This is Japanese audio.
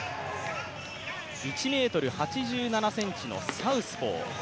１ｍ８７ｃｍのサウスポー。